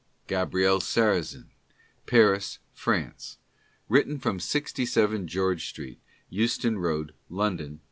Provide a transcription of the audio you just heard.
Gabriel Sarrazin : Paris, France — {written fro?n 67 George Street, Enston Road, London, N.